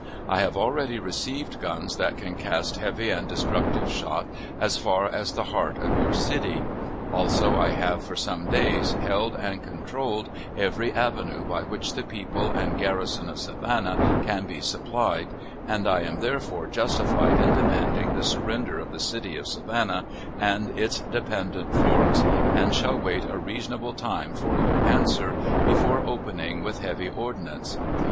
I have already received guns that can cast heavy and destructive shot as far as the heart of your city; also, I have for some days held and controlled every avenue by which the people and garrison of Savannah can be supplied, and I am therefore justified in demanding the surrender of the city of Savannah, and its dependent forts, and shall wait a reasonable time for your answer, before opening with heavy ordnance.